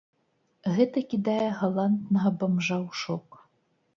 Гэта кідае галантнага бамжа ў шок.